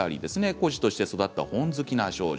孤児として育った本好きな少女。